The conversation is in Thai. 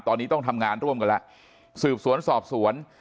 ตอนนี้ต้องทำงานร่วมกันแล้วสืบสวนสอบสวน